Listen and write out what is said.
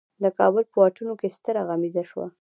د کابل په واټونو کې ستره غمیزه شوه.